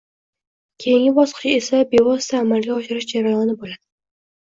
Keyingi bosqich esa bevosita amalga oshirish jarayoni boʻladi